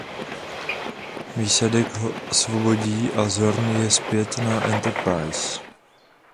Výsadek ho osvobodí a Zorn je zpět na Enterprise.